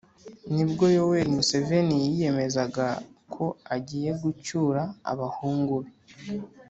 nibwo yoweri museveni yiyemezaga ko agiye gucyura «abahungu be»,